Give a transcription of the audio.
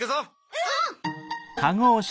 うん！